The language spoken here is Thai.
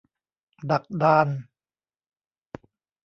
ดักดาน